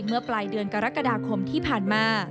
เมื่อปลายเดือนกรกฎาคมที่ผ่านมา